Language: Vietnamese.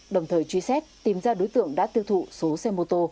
đồng thời truy xét tìm ra đối tượng đã tiêu thụ số xe mô tô